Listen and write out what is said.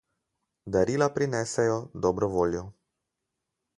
Darila prinesejo dobro voljo.